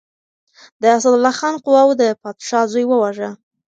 د اسدالله خان قواوو د پادشاه زوی وواژه.